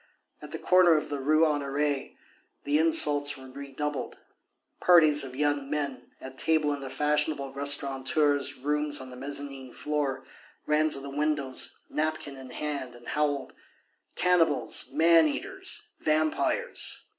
At the corner of the Rue Honoré, the insults were redoubled. Parties of young men, at table in the fashionable restaurateurs' rooms on the mezzanine floor, ran to the windows, napkin in hand, and howled: "Cannibals, man eaters, vampires!"